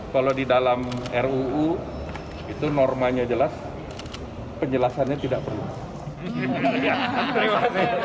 kalau di dalam ruu itu normanya jelas penjelasannya tidak perlu